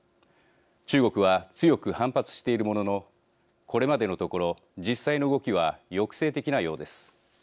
中国は強く反発しているもののこれまでのところ実際の動きは抑制的なようです。